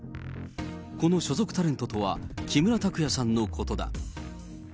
この所属タレントとは、木村拓哉さんのことだ。